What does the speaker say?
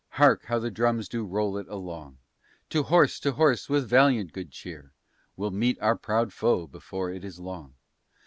Hark, how the drums do roll it along! To horse, to horse, with valiant good cheer; We'll meet our proud foe before it is long.